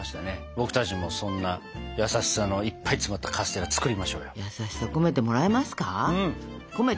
僕たちもそんな優しさのいっぱい詰まったカステラ作りましょうよ。